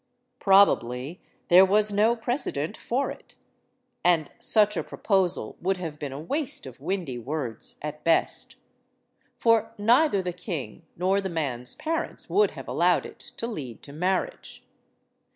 Probably there was no precedent for it. And such a proposal would have been a waste of windy words, at best. For neither the king nor the man's parents would have allowed it to lead to marriage.